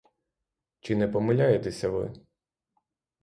Чи не помиляєтеся ви?